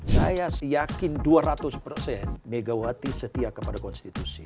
saya yakin dua ratus persen megawati setia kepada konstitusi